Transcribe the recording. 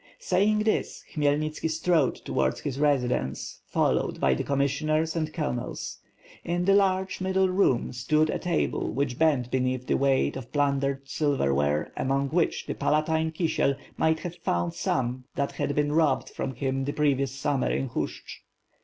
Saying this, Khmyelnitski strode towards his residence, followed by the commissioners and colonels. In the large, middle room, stood a table, which bent beneath the weight of plundered silver ware, among which the Palatine Kisiel might have found some that had been robbed from him the previous summer in Hushch.